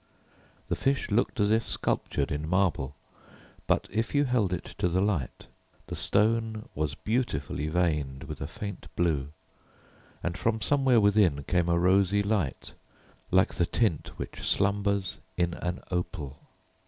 The fish looked as if sculptured in marble. But if you held it to the light the stone was beautifully veined with a faint blue, and from somewhere within came a rosy light like the tint which slumbers in an opal.